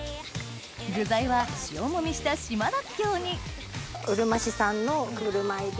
具材は塩揉みした島らっきょうにうるま市産の車海老。